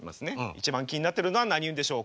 一番気になってるのは何ウンでしょうか？